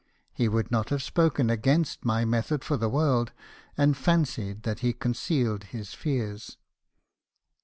He would not have spoken against my method for the world, and fancied that he concealed his fears.